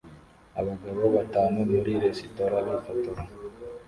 Abagabo batanu muri resitora bifotora